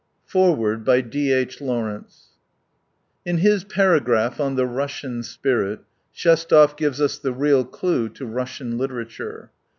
FOREWORD In his paragraph on The Russian Spirit, Shestov gives us the real clue to Russian literature.